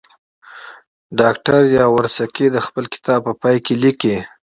ډاکټر یاورسکي د خپل کتاب په پای کې لیکي.